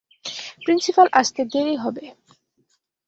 Principal আসতে দেরী হবে।